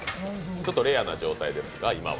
ちょっとレアな状態ですか、今は。